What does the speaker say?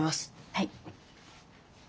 はい。